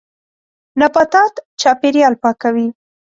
نباتات چاپېریال پاکوي.